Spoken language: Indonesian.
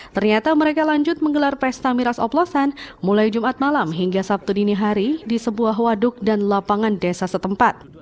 ternyata mereka lanjut menggelar pesta miras oplosan mulai jumat malam hingga sabtu dini hari di sebuah waduk dan lapangan desa setempat